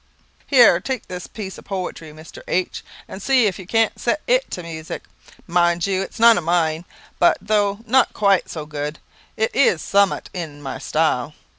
"Here, take this piece of poetry, Mister H , and see if you can set it to music. Mind you, it is none of mine; but though not quite so good, it is som'at in my style.